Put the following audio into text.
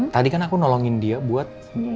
tadi kan aku nolongin dia buat